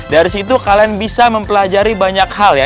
dari situ kalian bisa mempelajari banyak hal ya